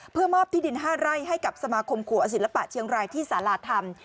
เพื่อมอบที่ดิน๕ไร่ให้กับสมาคมขัวศิลปะเชียงรายที่สาราธรรม